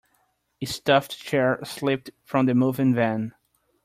A stuffed chair slipped from the moving van.